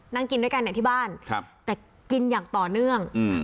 นั่งกินด้วยกันเนี่ยที่บ้านครับแต่กินอย่างต่อเนื่อง